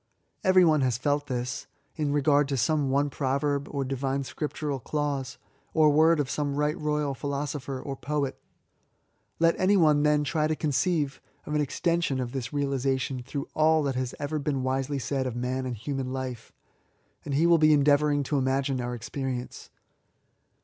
Every one has felt thia, in regard to some one proverb^ or divine scriptural clause^ or word of some right royal philosopher or poet. Let any one then try to conceive of an extension of this realisation through all that has ever been wisely said of man and human life^ and he will be endeavouring to imagine our ex perience.